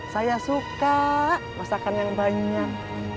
saya suka masakan yang banyak